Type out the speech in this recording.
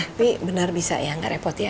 tapi bener bisa ya gak repot ya